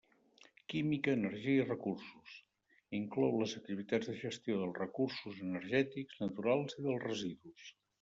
Química, energia, i recursos: inclou les activitats de gestió dels recursos energètics, naturals i dels residus.